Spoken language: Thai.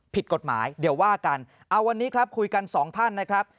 ผิดกฎหมายเดี๋ยวว่ากันเอาวันนี้ครับคุยกันสองท่านนะครับ